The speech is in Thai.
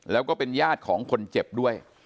แล้วก็เป็นญาติของคนเจ็บด้วย